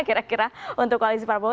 kira kira untuk koalisi prabowo